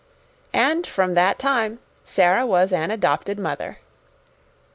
And from that time Sara was an adopted mother.